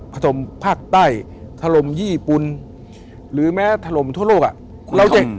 ถล่มภาคใต้ถล่มญี่ปุ่นหรือแม้ถล่มทั่วโลกอ่ะ